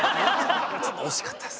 ちょっと惜しかったっす。